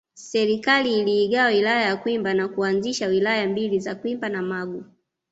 Serikali iliigawa Wilaya ya Kwimba na kuanzisha Wilaya mbili za Kwimba na Magu